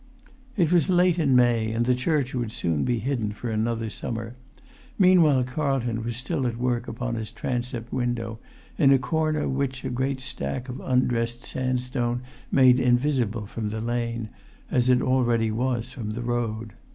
It was late in May, and the church would soon be hidden for another summer; meanwhile Carlton was still at work upon his transept window, in a corner which a great stack of undressed sandstone made in[Pg 246]visible from the lane, as it already was from the road.